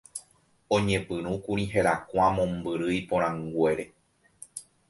oñepyrũkuri herakuã mombyry iporãnguére